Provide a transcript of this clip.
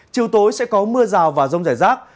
chiều tối sẽ có mưa rào và rông rải rác